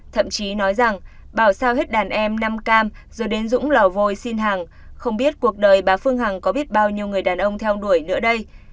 thậm chí nói rằng bảo sao hết đàn em năm cam rồi đến dũng lò vôi xin hàng không biết cuộc đời bà phương hằng có biết bao nhiêu người đàn ông theo đuổi nữa đây